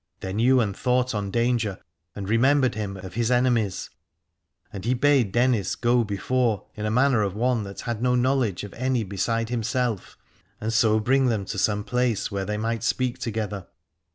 Then Ywain thought on danger and remembered him of his enemies, and he bade Dennis go before, in manner of one that had no know ledge of any beside himself, and so bring 333 Aladore them to some place where they might speak together.